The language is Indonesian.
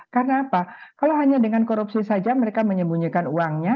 karena apa kalau hanya dengan korupsi saja mereka menyembunyikan uangnya